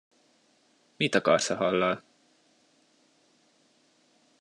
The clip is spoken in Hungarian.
Mit akarsz a hallal?